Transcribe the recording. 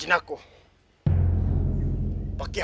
hai salam deka